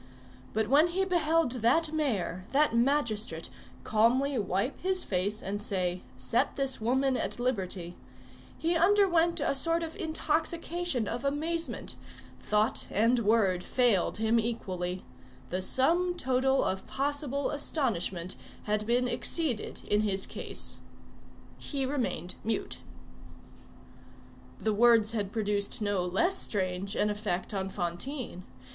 But when he beheld that mayor, that magistrate, calmly wipe his face and say, "Set this woman at liberty," he underwent a sort of intoxication of amazement; thought and word failed him equally; the sum total of possible astonishment had been exceeded in his case. He remained mute. The words had produced no less strange an effect on Fantine.